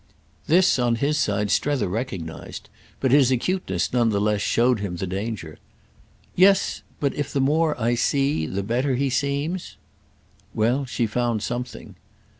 This on his side Strether recognised; but his acuteness none the less showed him the danger. "Yes, but if the more I see the better he seems?" Well, she found something.